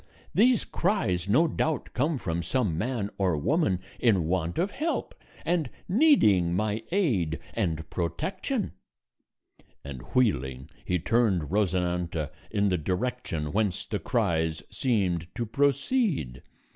These cries no doubt come from some man or woman in want of help, and needing my aid and protection;" and wheeling, he turned Rosinante in the direction whence the cries seemed to proceed.